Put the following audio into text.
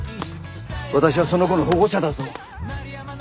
私はその子の保護者だぞ。